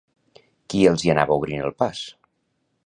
Qui els hi anava obrint el pas?